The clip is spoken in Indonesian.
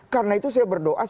karena itu saya berdoa